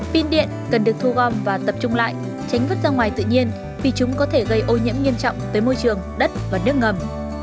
pin điện cần được thu gom và tập trung lại tránh vứt ra ngoài tự nhiên vì chúng có thể gây ô nhiễm nghiêm trọng tới môi trường đất và nước ngầm